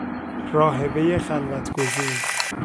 راهبهی خلوت گزین